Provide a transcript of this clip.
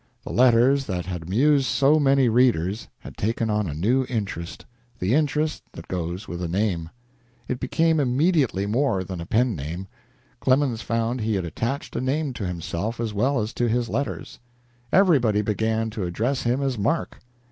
The letters that had amused so many readers had taken on a new interest the interest that goes with a name. It became immediately more than a pen name. Clemens found he had attached a name to himself as well as to his letters. Everybody began to address him as Mark.